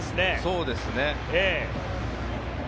そうですね。